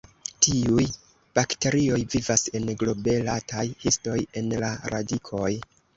Tiuj bakterioj vivas en globetaj histoj en la radikoj.